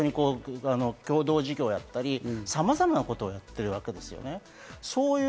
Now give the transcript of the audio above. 一緒に共同事業をやったり、さまざまなことをやってるわけですよね。